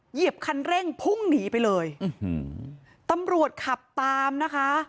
เหยียบคันเร่งพุ่งหนีไปเลยตำรวจขับตามนะคะ